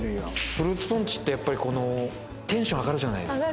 フルーツポンチってやっぱりこのテンション上がるじゃないですか。